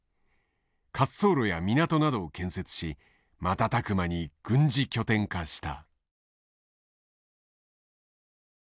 滑走路や港などを建設し瞬く間に軍事拠点化した。